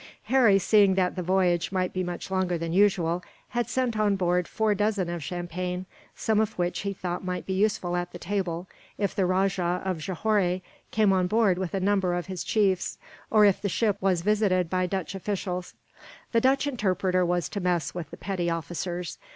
Harry, seeing that the voyage might be much longer than usual, had sent on board four dozen of champagne; some of which he thought might be useful at the table, if the Rajah of Johore came on board with a number of his chiefs, or if the ship was visited by Dutch officials. The Dutch interpreter was to mess with the petty officers.